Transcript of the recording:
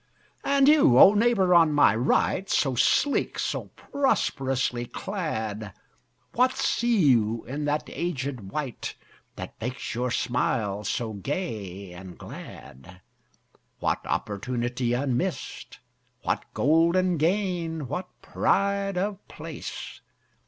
And you, O neighbour on my right So sleek, so prosperously clad! What see you in that aged wight That makes your smile so gay and glad? What opportunity unmissed? What golden gain, what pride of place?